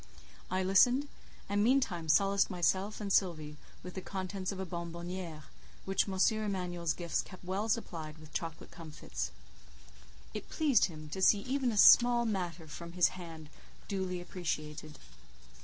I listened, and meantime solaced myself and Sylvie with the contents of a bonbonnière, which M. Emanuel's gifts kept well supplied with chocolate comfits: It pleased him to see even a small matter from his hand duly appreciated.